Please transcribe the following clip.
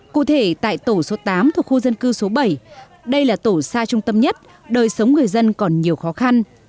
cụ thể tại tổ số tám thuộc khu dân cư số bảy đây là tổ xa trung tâm nhất đời sống người dân còn nhiều khó khăn